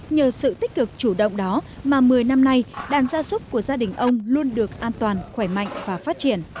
nhờ sự tích cực chủ động đó mà một mươi năm nay đàn gia súc của gia đình ông luôn được an toàn khỏe mạnh và phát triển